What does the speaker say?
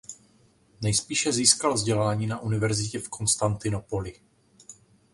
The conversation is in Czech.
Nejspíše získal vzdělání na univerzitě v Konstantinopoli.